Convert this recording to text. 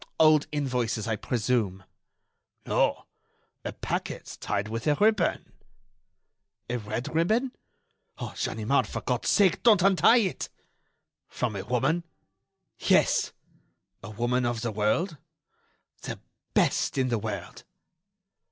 "Old invoices, I presume!" "No; a packet tied with a ribbon." "A red ribbon? Oh! Ganimard, for God's sake, don't untie it!" "From a woman?" "Yes." "A woman of the world?" "The best in the world."